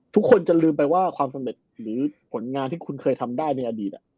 ทุกคนจะลืมไปว่าความสำเร็จหรือผลงานที่คุณเคยทำได้ในอดีต